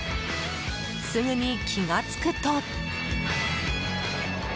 すぐに気が付くと。